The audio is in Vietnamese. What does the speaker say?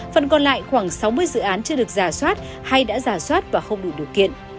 phần còn lại khoảng sáu mươi dự án chưa được giả soát hay đã giả soát và không đủ điều kiện